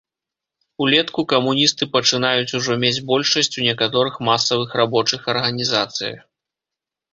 Улетку камуністы пачынаюць ужо мець большасць у некаторых масавых рабочых арганізацыях.